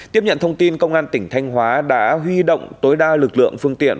tiếp nhận thông tin công an tỉnh thanh hóa đã huy động tối đa lực lượng phương tiện